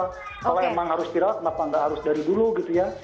kalau emang harus viral kenapa nggak harus dari dulu gitu ya